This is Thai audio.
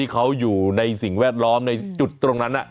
เขาอยู่ในสิ่งแวดล้อมในจุดตรงนั้น